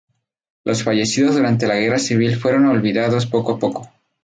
Los fallecidos durante la Guerra Civil fueron olvidados poco a poco.